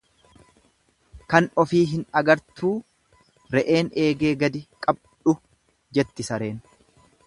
Kan ofii hin agartuu re'een eegee gadi qabdhu jetti sareen.